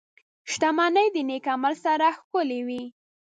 • شتمني د نېک عمل سره ښکلې وي.